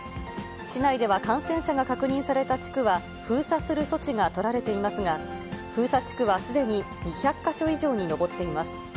市内では感染者が確認された地区では封鎖する措置が取られていますが、封鎖地区はすでに２００か所以上に上っています。